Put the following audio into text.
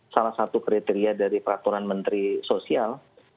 salah satu kriteria dari peraturan menteri sosial